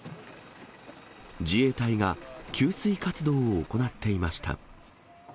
自衛隊が給水活動を行っていました。